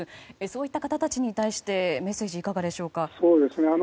そういった方たちに対してメッセージはいかがでしょうか？